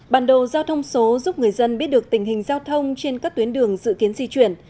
bản đồ giao thông số giúp người dân biết được tình hình giao thông trên các tuyến đường dự kiến di chuyển